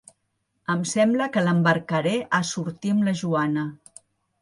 Em sembla que l'embarcaré a sortir amb la Joana.